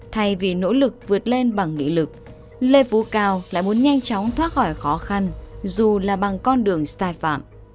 thay vì nỗ lực vượt lên bằng nghị lực lê phú cao lại muốn nhanh chóng thoát khỏi khó khăn dù là bằng con đường sai phạm